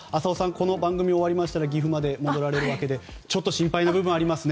この番組が終わりましたら岐阜まで戻られるわけでちょっと心配な部分はありますね。